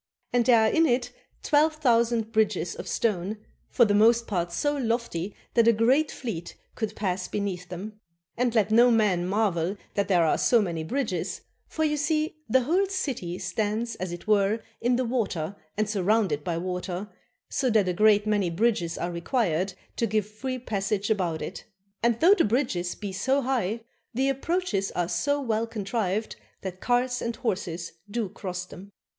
And there are in it twelve thousand bridges of stone, for the most part so lofty that a great fleet could pass beneath them. And let no man marvel that 122 A CHINESE CITY there are so many bridges, for you see the whole city stands as it were in the water and surrounded by water, so that a great many bridges are required to give free passage about it. And though the bridges be so high, the approaches are so well contrived that carts and horses do cross them.